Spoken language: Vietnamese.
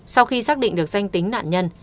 sau khi xác định được danh tính nạn nhân